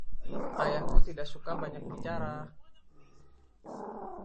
Ayahku tidak suka banyak bicara.